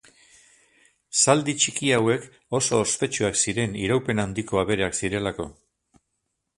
Zaldi txiki hauek oso ospetsuak ziren iraupen handiko abereak zirelako.